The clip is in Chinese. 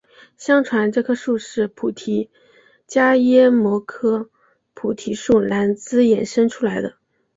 相传这棵树是菩提伽耶摩诃菩提树南枝衍生出来的。